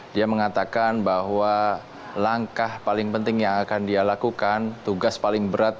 dia mengatakan bahwa langkah paling penting yang akan dia lakukan tugas paling berat